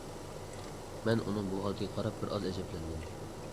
مەن ئۇنىڭ بۇ ھالىتىگە قاراپ بىرئاز ئەجەبلەندىم.